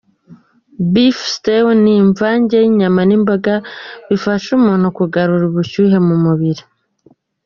beef stew” ni imvange y’inyama n’imboga zifasha umuntu kugarura ubushyuhe mu mubiri.